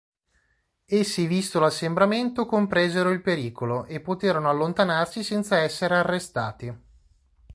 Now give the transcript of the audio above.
Essi visto l'assembramento, compresero il pericolo e poterono allontanarsi senza essere arrestati.